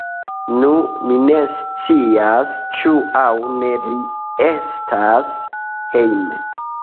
Nu, mi ne scias, ĉu aŭ ne li estas hejme.